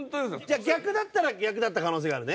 じゃあ逆だったら逆だった可能性があるね？